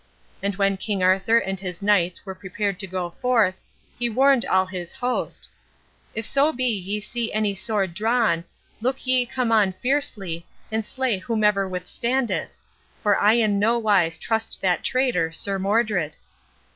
And when King Arthur and his knights were prepared to go forth, he warned all his host, "If so be ye see any sword drawn, look ye come on fiercely, and slay whomsoever withstandeth, for I in no wise trust that traitor, Sir Modred."